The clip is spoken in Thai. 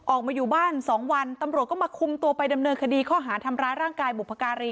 ออกมาอยู่บ้าน๒วันตำรวจก็มาคุมตัวไปดำเนินคดีข้อหาทำร้ายร่างกายบุพการี